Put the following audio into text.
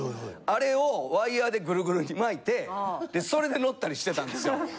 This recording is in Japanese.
あれをワイヤでグルグルに巻いてそれで乗ったりしてたんですよ。